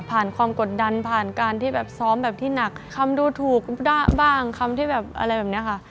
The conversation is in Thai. ความกดดันผ่านการที่แบบซ้อมแบบที่หนักคำดูถูกด้าบ้างคำที่แบบอะไรแบบนี้ค่ะ